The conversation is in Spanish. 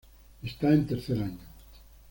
Está en tercer año.